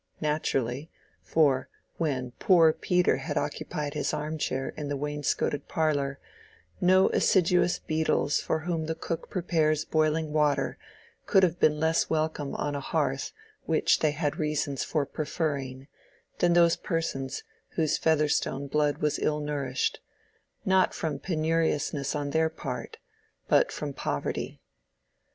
Naturally: for when "poor Peter" had occupied his arm chair in the wainscoted parlor, no assiduous beetles for whom the cook prepares boiling water could have been less welcome on a hearth which they had reasons for preferring, than those persons whose Featherstone blood was ill nourished, not from penuriousness on their part, but from poverty.